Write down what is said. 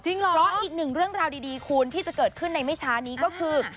เพราะอีกหนึ่งเรื่องราวดีคุณที่จะเกิดขึ้นในไม่ช้านี้ก็คือ